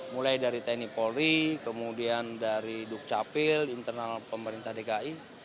mulai dari tni polri kemudian dari dukcapil internal pemerintah dki